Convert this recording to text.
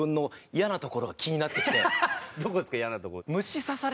嫌なところ。